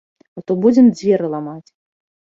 А то будзем дзверы ламаць!